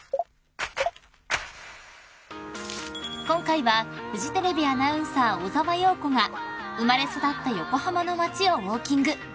［今回はフジテレビアナウンサー小澤陽子が生まれ育った横浜の街をウオーキング］